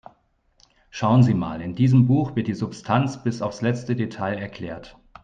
Schauen Sie mal, in diesem Buch wird die Substanz bis aufs letzte Detail erklärt.